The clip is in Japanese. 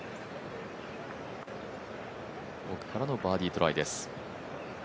奥からのバーディートライです。